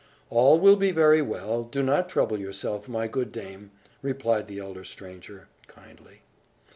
"All will be very well; do not trouble yourself, my good dame," replied the elder stranger, kindly.